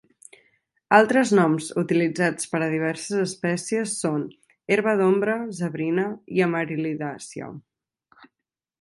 Altres noms utilitzats per a diverses espècies són herba d'ombra, zebrina i amaril·lidàcia.